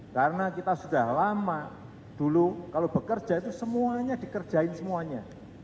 karena kita sudah lama dulu kalau bekerja itu semuanya dikerjain semuanya